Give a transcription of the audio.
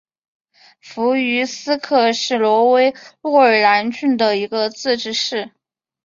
弗于斯克是挪威诺尔兰郡的一个自治市。